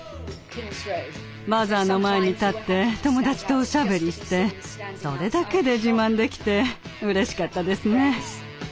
「バザー」の前に立って友達とおしゃべりしてそれだけで自慢できてうれしかったですね。